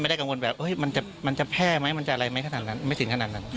ไม่ได้กังวลแบบมันจะแพร่ไหมมันจะอะไรไหมไม่ถึงขนาดนั้น